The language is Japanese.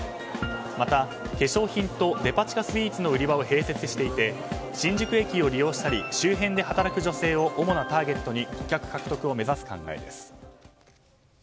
また、化粧品とデパ地下スイーツの売り場を併設していて新宿駅を利用したり周辺で働く女性を主なターゲットに顧客獲得を目指す考えです。